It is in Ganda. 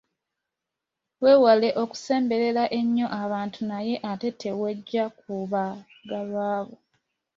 Weewale okusemberera ennyo abantu naye ate teweggya ku baagalwa bo.